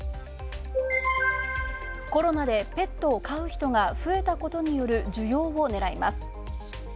コロナでペットを飼う人が増えたことによる需要を狙います。